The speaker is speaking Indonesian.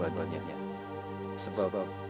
yang mempunyai hak hantar sapi